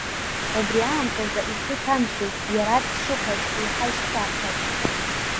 Убри аамҭазы, ихы иҭамшәеит, иара дшыԥаз еиҳа ишшәарҭаз.